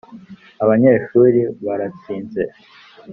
abanyeshuri baratinze